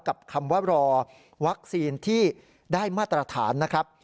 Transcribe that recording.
คำว่ารอวัคซีนที่ได้มาตรฐานนะครับ